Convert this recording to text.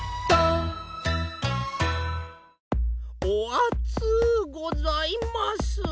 お暑うございます。